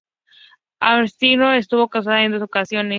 Hammerstein estuvo casada en dos ocasiones.